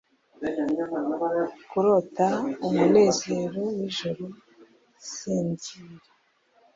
Kurota umunezero wijoro; Sinzira!